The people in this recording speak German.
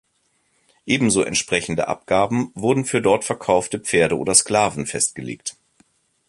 Ebenso entsprechende Abgaben wurden für dort verkaufte Pferde oder Sklaven festgelegt.